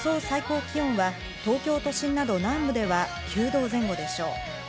最高気温は東京都心など南部では９度前後でしょう。